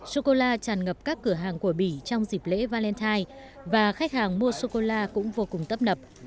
sô cô la tràn ngập các cửa hàng của bỉ trong dịp lễ valentine và khách hàng mua sô cô la cũng vô cùng tấp nập